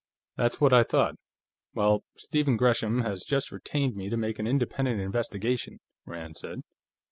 "That's what I thought. Well, Stephen Gresham has just retained me to make an independent investigation," Rand said.